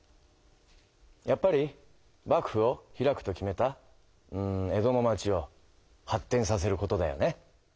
やっぱり幕府を開くと決めたうん江戸の町を発てんさせることだよね。